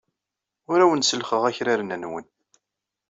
Ur awen-sellxeɣ akraren-nwen.